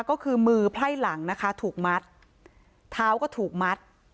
ก็คือมือไพ่หลังนะคะถูกมัดเท้าก็ถูกมัด